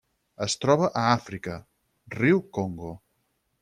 Es troba a Àfrica: riu Congo.